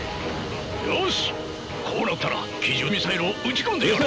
よしこうなったら奇獣ミサイルを撃ち込んでやる！